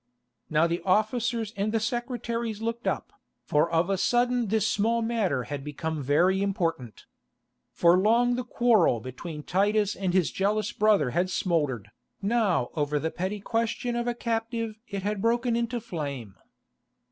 Now the officers and the secretaries looked up, for of a sudden this small matter had become very important. For long the quarrel between Titus and his jealous brother had smouldered, now over the petty question of a captive it had broken into flame.